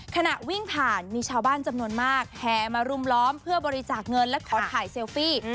ขณะวิ่งผ่านมีชาวบ้านจำนวนมากแห่มารุมล้อมเพื่อบริจาคเงินและขอถ่ายเซลฟี่